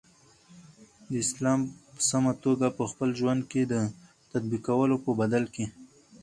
د اسلام په سمه توګه په خپل ژوند کی د تطبیقولو په بدل کی